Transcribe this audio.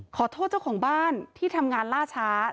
ขอโทษเจ้าของบ้านที่ทำงานล่าช้า